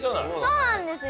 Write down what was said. そうなんですよ。